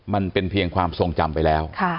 มันเป็นเพียงความทรงจำไปแล้ว